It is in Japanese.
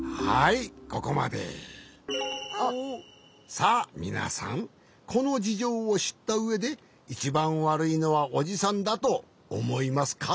さあみなさんこのじじょうをしったうえでいちばんわるいのはおじさんだとおもいますか？